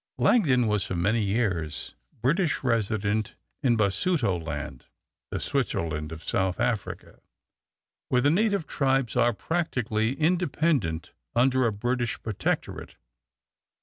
Lagden was for many years British Resident in Basutoland, the Switzerland of South Africa, where the native tribes are practically independent under a British protectorate.